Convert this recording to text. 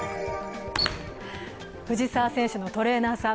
藤澤選手のトレーナーさん。